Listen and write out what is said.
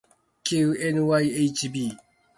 きう ｎｙｈｂ